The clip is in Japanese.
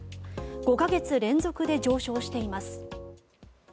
５か月連続で上昇しています。